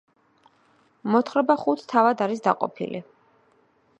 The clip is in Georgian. მოთხრობა ხუთ თავად არის დაყოფილი.